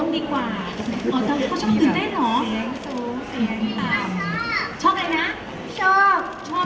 โอเคครับเขาจะชอบ